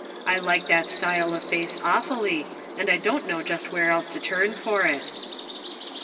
I like that style of face awfully, and I don't know just where else to turn for it."